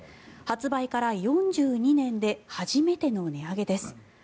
発売から４２年で初めての値上げです。